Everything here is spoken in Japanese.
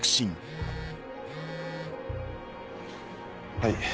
はい。